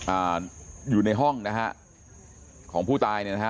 อ่าอยู่ในห้องนะฮะของผู้ตายเนี่ยนะฮะ